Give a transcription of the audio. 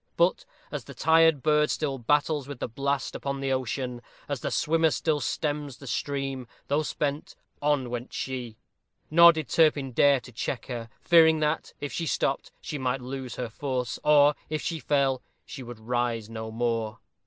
But, as the tired bird still battles with the blast upon the ocean, as the swimmer still stems the stream, though spent, on went she: nor did Turpin dare to check her, fearing that, if she stopped, she might lose her force, or, if she fell, she would rise no more.